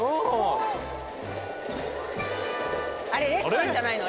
あれレストランじゃないの？